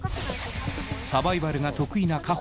サバイバルが得意なかほ